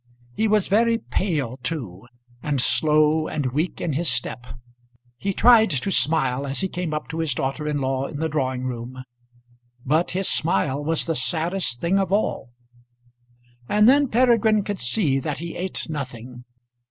He was very pale too, and slow and weak in his step. He tried to smile as he came up to his daughter in law in the drawing room; but his smile was the saddest thing of all. And then Peregrine could see that he ate nothing.